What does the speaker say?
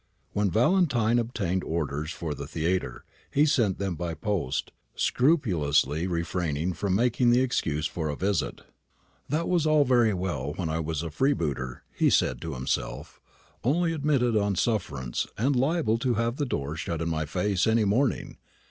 When Valentine obtained orders for the theatre, he sent them by post, scrupulously refraining from making them the excuse for a visit. "That was all very well when I was a freebooter," he said to himself, "only admitted on sufferance, and liable to have the door shut in my face any morning.